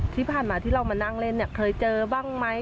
ที่ผ่านมาที่เรามานั่งเล่นเนี่ยเคยเจอบ้างไหม